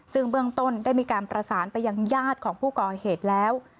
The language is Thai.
ซึ่งเบื้องต้นได้มีการประสานไปยังญาติของผู้ก่อเหตุแล้ว